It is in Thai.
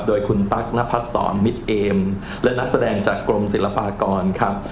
โดยคุณตั๊กนพัดสอนมิตรเอมและนักแสดงจากกรมศิลปากรครับ